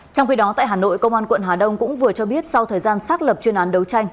trong khi đó tại hà nội công an quận hà đông cũng vừa cho biết sau thời gian xác lập chuyên án đấu tranh